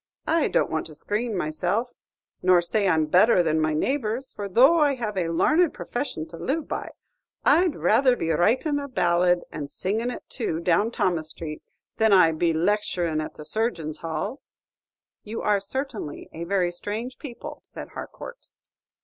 I don't want to screen myself, nor say I'm better than my neighbors, for though I have a larned profession to live by, I 'd rather be writin' a ballad, and singin' it too, down Thomas Street, than I 'd be lecturin' at the Surgeons' Hall." "You are certainly a very strange people," said Harcourt.